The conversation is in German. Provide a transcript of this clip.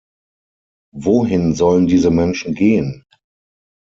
Wohin sollen diese Menschen gehen?